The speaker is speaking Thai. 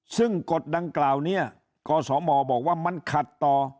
ซึ่งกฎดังกล่าวนี้กศมบอกว่ามันขัดต่อ